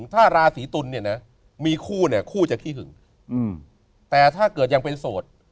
ถ้าราศรีตุลเนี้ยมีคู่จะที่หึงแต่ถ้าเกิดยังเป็นโสด